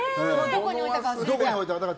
どこに置いたか。